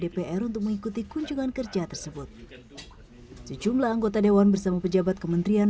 dpr untuk mengikuti kunjungan kerja tersebut sejumlah anggota dewan bersama pejabat kementerian